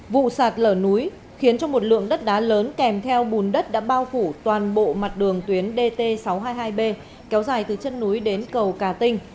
vụ sạt lở núi khiến cho một lượng đất đá lớn kèm theo bùn đất đã bao phủ toàn bộ mặt đường tuyến dt sáu trăm hai mươi hai b kéo dài từ chân núi đến cầu cà tinh